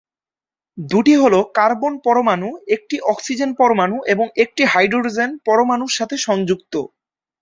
দুটি হলো কার্বন পরমাণু, একটি অক্সিজেন পরমাণু এবং একটি হাইড্রোজেন পরমাণুর সাথে সংযুক্ত।